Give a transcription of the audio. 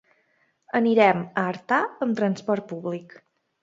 Anirem a Artà amb transport públic.